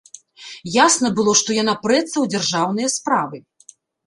Ясна было, што яна прэцца ў дзяржаўныя справы.